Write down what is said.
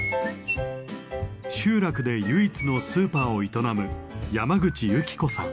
集落で唯一のスーパーを営む山口由紀子さん。